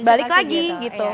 balik lagi gitu